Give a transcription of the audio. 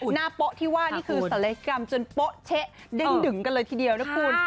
หน้าโป๊ะที่ว่านี่คือศัลยกรรมจนโป๊ะเช๊ะเด้งดึงกันเลยทีเดียวนะคุณ